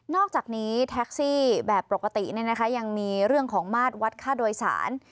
อกจากนี้แท็กซี่แบบปกติยังมีเรื่องของมาตรวัดค่าโดยสาร